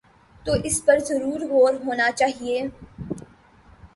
تو اس پر ضرور غور ہو نا چاہیے۔